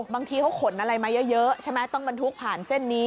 บางทีเขาขนอะไรมาเยอะใช่ไหมต้องบรรทุกผ่านเส้นนี้